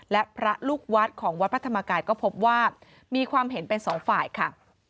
และพระลูกวัดของวัดพระธรรมกายก็พบว่ามีความเห็นเป็นสองฝ่ายค่ะ